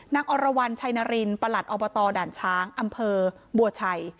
อรวรรณชัยนารินประหลัดอบตด่านช้างอำเภอบัวชัย